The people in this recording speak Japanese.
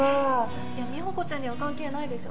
いや美保子ちゃんには関係ないでしょ